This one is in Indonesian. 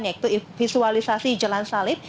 yaitu visualisasi jalan salib